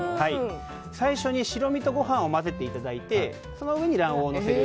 最初に白身とご飯を混ぜていただいてその上に卵黄をのせる。